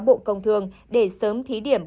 bộ công thương để sớm thí điểm